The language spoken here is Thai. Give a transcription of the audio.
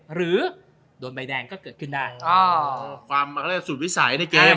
หรือโดนใบแดงก็เกิดขึ้นได้อ๋อความสุดวิสัยในเกมอ๋อ